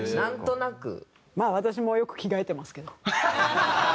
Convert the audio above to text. まあ私もよく着替えてますけど。